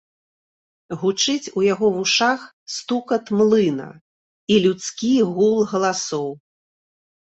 Гучыць у яго вушах стукат млына і людскі гул галасоў.